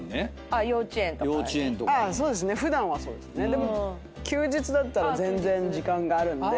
でも休日だったら全然時間があるんで。